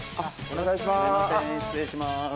お願いします